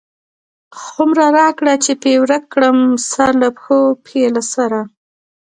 هو مره را کړه چی پی ورک کړم، سرله پښو، پښی له سره